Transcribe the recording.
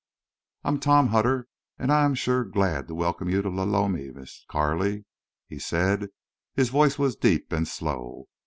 "I'm Tom Hutter, an' I'm shore glad to welcome you to Lolomi, Miss Carley," he said. His voice was deep and slow.